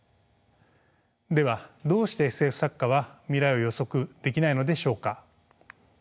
ではどうしてＳＦ作家は未来を予測できないのでしょうか？